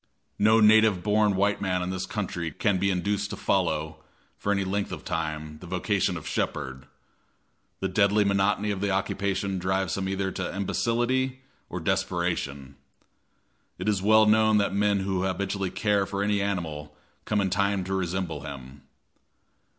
No native born white man in this country can be induced to follow, for any length of time, the vocation of shepherd. The deadly monotony of the occupation drives him either to imbecility or desperation. It is well known that men who habitually care for any animal come in time to resemble him.